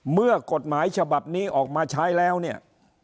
เมื่อกฎหมายฉบับนี้ออกมาใช้แล้วเนี่ย